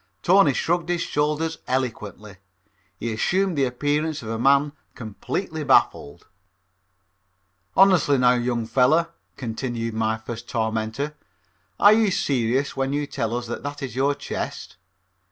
Tony shrugged his shoulders eloquently. He assumed the appearance of a man completely baffled. "Honestly, now, young feller," continued my first tormentor, "are you serious when you try to tell us that that is your chest?"